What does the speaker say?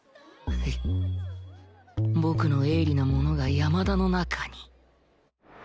僕の鋭利なものが山田の中に